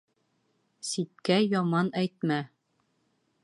Ситкә яман әйтмә.